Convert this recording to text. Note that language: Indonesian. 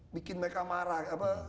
bikin mereka marah